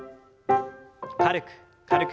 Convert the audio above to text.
軽く軽く。